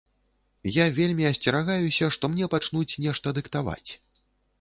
Я вельмі асцерагаюся, што мне пачнуць нешта дыктаваць.